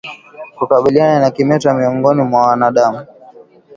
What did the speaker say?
Kukabiliana na kimeta miongoni mwa wanadamu